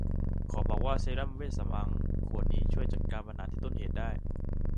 ขอบอกว่าเซรั่มเวชสำอางขวดนี้ช่วยจัดการปัญหาที่ต้นเหตุได้